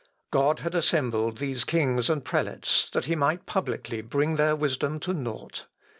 God had assembled these kings and prelates that he might publicly bring their wisdom to nought.